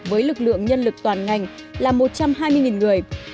với lực lượng nhân lực toàn ngành là một trăm hai mươi người